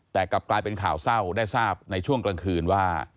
แต่กลับกลายเป็นข่าวเศร้าได้ทราบในช่วงกลางคืนว่า